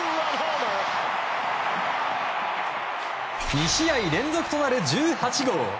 ２試合連続となる１８号。